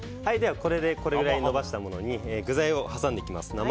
これぐらいに伸ばしたものに具材を挟んでいきます。